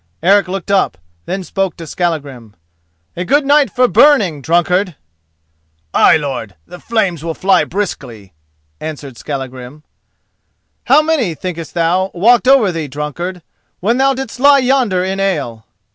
Eric looked up, then spoke to Skallagrim: "A good night for burning, drunkard!" "Ay, lord; the flames will fly briskly," answered Skallagrim. "How many, thinkest thou, walked over thee, drunkard, when thou didst lie yonder in the ale?"